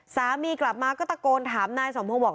สามีกลับมาก็ตะโกนถามนายสมพงศ์บอก